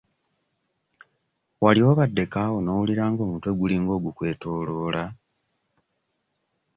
Wali obaddeko awo n'owulira ng'omutwe gulinga ogukwetooloola?